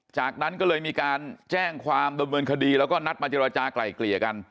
จากนั้นก็เลยมีการแจ้งความดำเนินคดีแล้วก็นัดมาเจรจากลายเกลี่ยกัน